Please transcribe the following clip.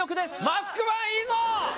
マスクマンいいぞ！